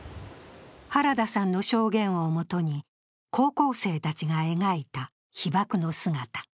原田さんの証言を基に、高校生たちが描いた被爆の姿。